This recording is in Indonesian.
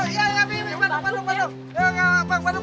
bandung bang bandung bandung